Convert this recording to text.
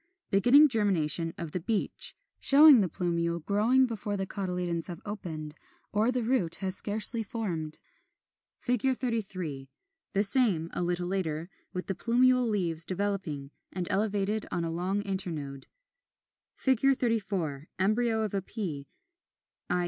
Beginning germination of the Beech, showing the plumule growing before the cotyledons have opened or the root has scarcely formed. 33. The same, a little later, with the plumule leaves developing, and elevated on a long internode.] [Illustration: Fig. 34. Embryo of Pea, i.